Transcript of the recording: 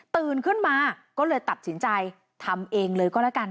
ตื่นขึ้นมาก็เลยตัดสินใจทำเองเลยก็แล้วกัน